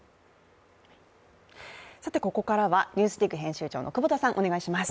ここからは「ＮＥＷＳＤＩＧ」編集長の久保田さん、お願いします。